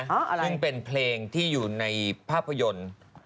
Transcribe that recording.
ซึ่งเป็นเพลงที่อยู่ในภาพยนตร์